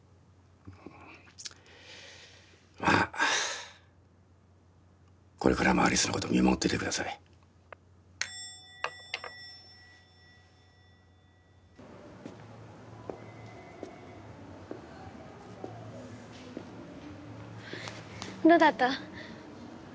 まあこれからも有栖のこと見守っててくださいどうだった？